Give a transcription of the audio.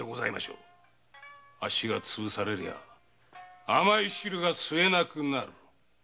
あっしがつぶされりゃ甘い汁が吸えなくなる。